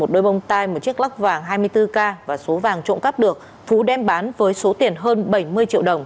một đôi bông tai một chiếc lắc vàng hai mươi bốn k và số vàng trộm cắp được phú đem bán với số tiền hơn bảy mươi triệu đồng